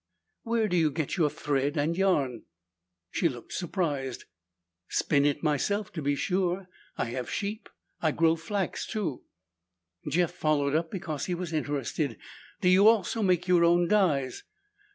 "Where do you get your thread and yarn?" She looked surprised. "Spin it myself, to be sure. I have sheep. I grow flax, too." Jeff followed up because he was interested. "Do you also make your own dyes?"